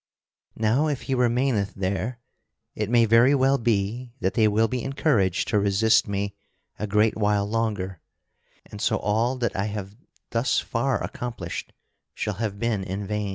Now if he remaineth there it may very well be that they will be encouraged to resist me a great while longer, and so all that I have thus far accomplished shall have been in vain."